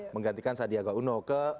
menggantikan sadiaga uno